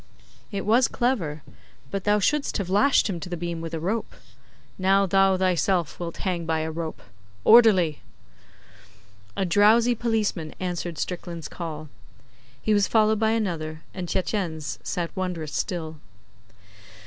'It was clever. But thou shouldst have lashed him to the beam with a rope. Now, thou thyself wilt hang by a rope. Orderly!' A drowsy policeman answered Strickland's call. He was followed by another, and Tietjens sat wondrous still.